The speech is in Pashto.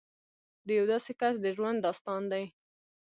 د یو داسې کس د ژوند داستان دی